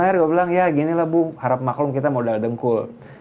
akhirnya gue bilang ya ginilah bu harap maklum kita modal dengkul